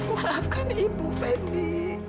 maafkan ibu fen ibu